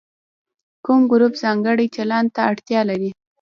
کوم ګروپ ځانګړي چلند ته اړتیا لري.